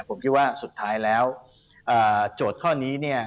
ผมคิดว่าสุดท้ายแล้วโจทย์ข้อนี้เนี่ย